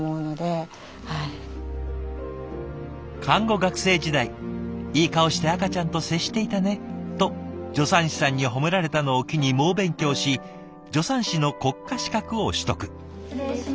看護学生時代「いい顔して赤ちゃんと接していたね」と助産師さんに褒められたのを機に猛勉強し助産師の国家資格を取得。